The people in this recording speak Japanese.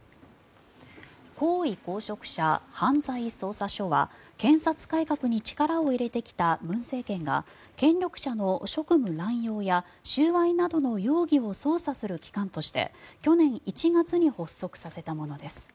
高位公職者犯罪捜査処は検察改革に力を入れてきた文政権が権力者の職務乱用や収賄などの容疑を捜査する機関として去年１月に発足させたものです。